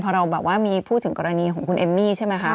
พอเราแบบว่ามีพูดถึงกรณีของคุณเอมมี่ใช่ไหมคะ